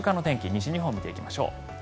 西日本を見ていきましょう。